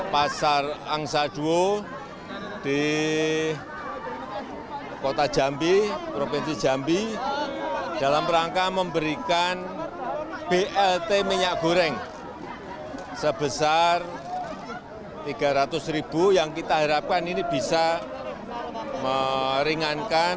pasar angsa duo di kota jambi provinsi jambi dalam rangka memberikan blt minyak goreng sebesar rp tiga ratus yang kita harapkan ini bisa meringankan